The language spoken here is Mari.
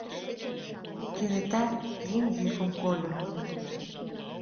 Кенета еҥ йӱкым кольо.